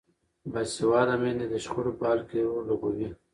باسواده میندې د شخړو په حل کې رول لوبوي.